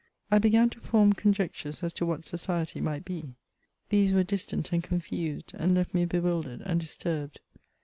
I began to form conjectures as to what society might be. • These were distant and confused, and left me bewildered and disturbed.